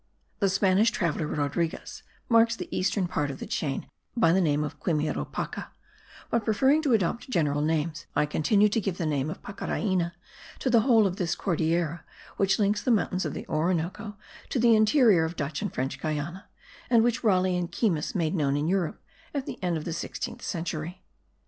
The Spanish traveller, Rodriguez, marks the eastern part of the chain by the name of Quimiropaca; but preferring to adopt general names, I continue to give the name of Pacaraina to the whole of this Cordillera which links the mountains of the Orinoco to the interior of Dutch and French Guiana, and which Raleigh and Keymis made known in Europe at the end of the 16th century.